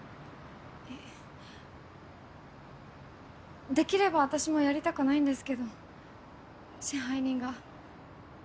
えっできれば私もやりたくないんですけど支配人が。